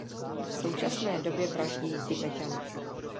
V současné době vraždí Tibeťany.